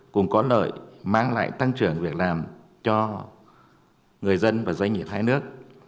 cùng có lợi mang lại tăng trưởng việc làm cho người dân và doanh nghiệp hai nước